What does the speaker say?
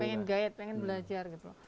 pengen gaya pengen belajar gitu